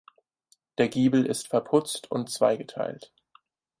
Der Giebel ist verputzt und zweigeteilt.